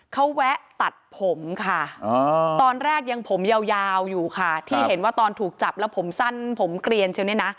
เขาแวะตัดผมค่ะตอนแรกยังผมยาวอยู่ค่ะที่เห็นว่าตอนถูกจับแล้วผมสั้นผมเกลียนเชียวเนี่ยนะ